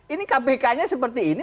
ini kpk nya seperti ini